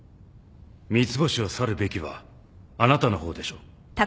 三ツ星を去るべきはあなたの方でしょう。